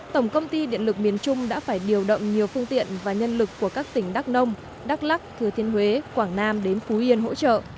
tổng công ty điện lực miền trung đã phải điều động nhiều phương tiện và nhân lực của các tỉnh đắk nông đắk lắc thừa thiên huế quảng nam đến phú yên hỗ trợ